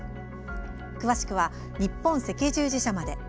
詳しくは、日本赤十字社まで。